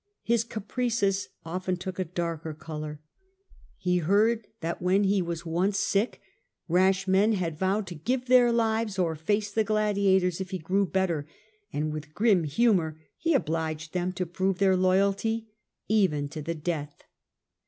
His caprices often took a darker colour. He heard that ^^^^ when he was once sick rash men had vowed Lwiid^ ^ to give their lives or face the gladiators if caprices. grew better, and with grim humour he obliged them to prove their loyalty, even to the death.